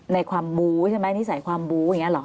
ในความบู๊ใช่ไหมนิสัยความบู้อย่างนี้หรอ